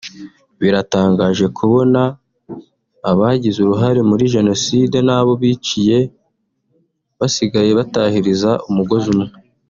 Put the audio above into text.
biratangaje kubona abagize uruhare muri Jenoside n’abo biciye basigaye batahiriza umugozi umwe